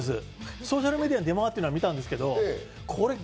ソーシャルメディアに出回っているのは知ってたんですけど。